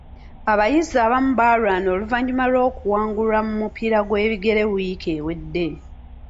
Abayizi abamu baalwana oluvannyuma lw'okuwangulwa mu mupiira gw'ebigere wiiki ewedde.